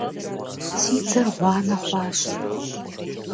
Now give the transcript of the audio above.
Si dzer ğuane xhuaş.